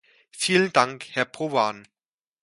Vielen Dank, Herr Provan!